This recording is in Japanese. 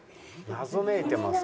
謎めいてます